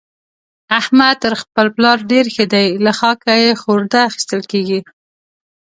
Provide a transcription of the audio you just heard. احمد تر خپل پلار ډېر ښه دی؛ له خاکه يې خورده اخېستل کېږي.